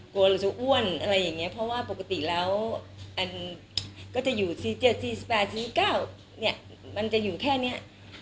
กลัวเราจะอ้วนอะไรอย่างนี้เพราะว่าปกติแล้วก็จะอยู่๔๗๔๘๔๙เนี่ยมันจะอยู่แค่นี้